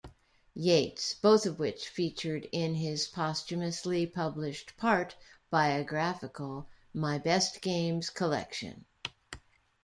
Yates, both of which featured in his posthumously published, part-biographical, 'My Best Games' Collection.